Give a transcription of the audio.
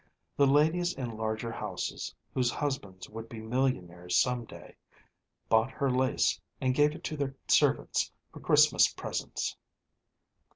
The ladies in larger houses, whose husbands would be millionaires some day, bought her lace, and gave it to their servants for Christmas presents.